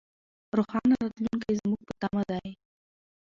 روښانه راتلونکی زموږ په تمه دی.